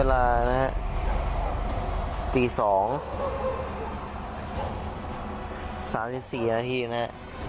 ๓๔นาทีนะ